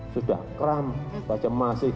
sudah kram saja masih